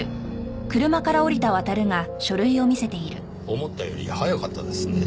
思ったより早かったですねぇ。